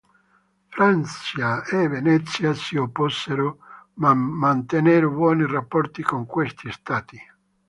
Francia e Venezia si opposero ma mantennero buoni rapporti con questi stati.